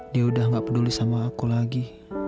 dia udah gak peduli sama aku lagi